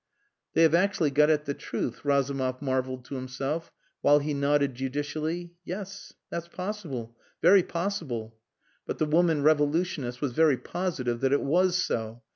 "They have actually got at the truth," Razumov marvelled to himself, while he nodded judicially. "Yes, that's possible, very possible." But the woman revolutionist was very positive that it was so.